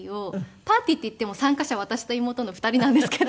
パーティーっていっても参加者私と妹の２人なんですけど。